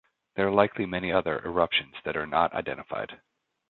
There are likely many other eruptions that are not identified.